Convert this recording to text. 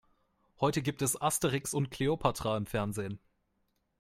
Heute gibt es "Asterix und Kleopatra" im Fernsehen.